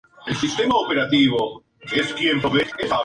Firmó su primer contrato discográfico con Warner Bros.